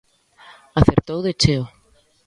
Acertou de cheo.